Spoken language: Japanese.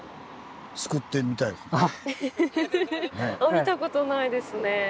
見たことないですね。